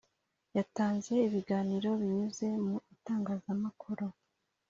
yatanze ibiganiro binyuze mu bitangazamakuru.